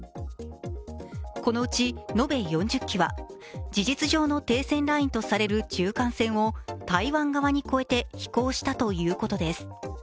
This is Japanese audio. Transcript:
このうち延べ４０機は事実上の停戦ラインとされる中間線を台湾側に越えて飛行したということです。